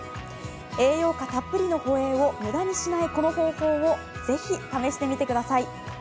栄養価たっぷりのホエーを無駄にしないこの方法をぜひ試してみてください。